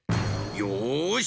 よし！